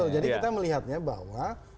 jadi kita melihatnya bahwa